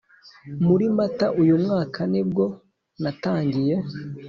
muri mata uyu mwaka nibwo natangiye